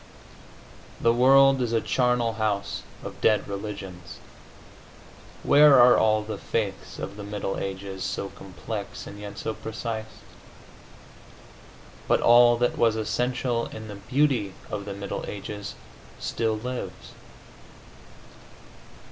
The world is a charnel house of dead religions. Where are all the faiths of the middle ages, so complex and yet so precise? But all that was essential in the beauty of the middle ages still lives....